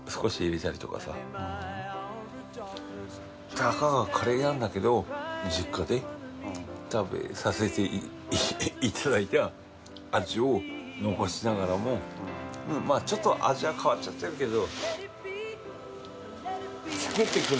たかがカレーなんだけど実家で食べさせていただいた味を残しながらもちょっと味は変わっちゃってるけど。